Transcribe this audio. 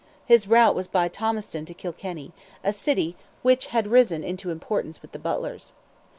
His route was by Thomastown to Kilkenny, a city which had risen into importance with the Butlers.